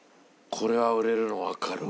これは売れるのわかるわ。